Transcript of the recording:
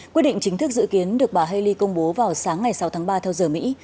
quyết định chính thức dự kiến được bà haley công bố vào sáng ngày sáu tháng ba theo giờ mỹ